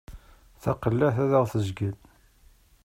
Taqellaɛt ad aɣ-tezgel.